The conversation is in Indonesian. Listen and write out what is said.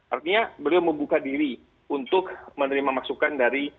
artinya beliau membuka diri untuk menerima masukan dari